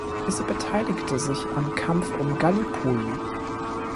Sie beteiligte sich am Kampf um Gallipoli.